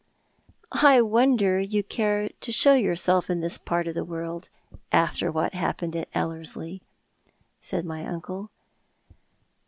" I wonder you care to show yourself in this part of the world — after what happened at Ellerslie," said my uncle.